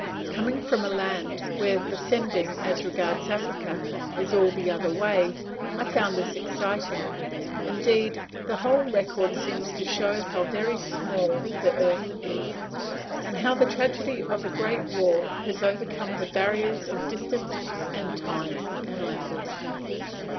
Coming from a land where the sending, as regards Africa, is all the other way, I found this exciting. Indeed, the whole record seems to show how very small the earth is, and how the tragedy of a great war has overcome the barriers of distance and time and language.